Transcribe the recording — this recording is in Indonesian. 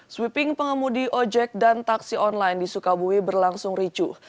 sweeping pengemudi ojek dan taksi online di sukabumi berlangsung ricuh